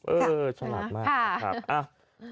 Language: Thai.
เออฉลาดมาก